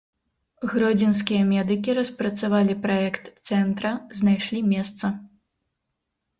Гродзенскія медыкі распрацавалі праект цэнтра, знайшлі месца.